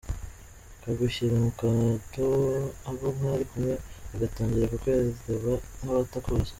Kagushyira mu kato, abo mwari kumwe bagatangira kukureba nk’abatakuzi!